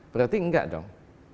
berarti enggak dong